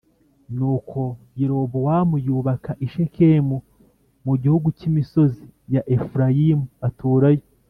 Nuko Yerobowamu yubaka i Shekemu mu gihugu cy’imisozi ya Efurayimu aturayo